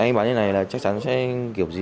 anh ấy bảo như thế này là chắc chắn sẽ kiểu gì